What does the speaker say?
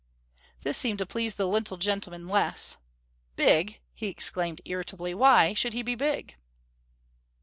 This seemed to please the little gentleman less. "Big!" he exclaimed, irritably; "why should he be big?"